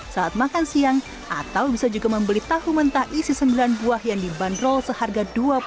saat makan siang atau bisa juga membeli tahu mentah isi sembilan buah yang dibanderol seharga rp dua puluh lima